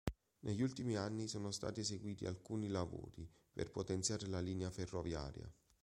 Negli ultimi anni sono stati eseguiti alcuni lavori per potenziare la linea ferroviaria.